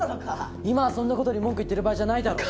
今はそんな事に文句言ってる場合じゃないだろ。